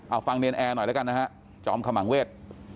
เอาฟังเนรนแอร์หน่อยแล้วกันนะฮะจอมขมังเวท